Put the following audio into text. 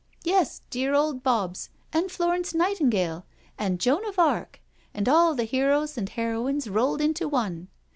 " Yes, dear old Bobs, and Florence Nightingale, and Joan of Arc, and all the heroes and heroines rolled into one.